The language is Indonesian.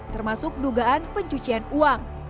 termasuk dugaan pencucian uang